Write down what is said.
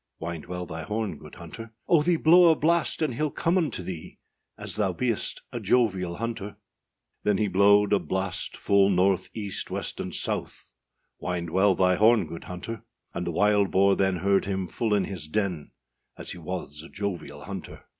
â Wind well thy horn, good hunter; âOh, thee blow a blast and heâll come unto thee, As thou beest a jovial hunter.â Then he blowed a blast, full north, east, west, and south, Wind well thy horn, good hunter; And the wild boar then heard him full in his den, As he was a jovial hunter.